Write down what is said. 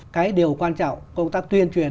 cái điều quan trọng của công tác tuyên truyền